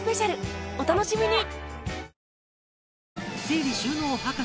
お楽しみに！